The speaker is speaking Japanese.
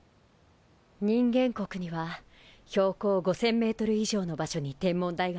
人間国には標高５，０００ｍ以上の場所に天文台があるわ。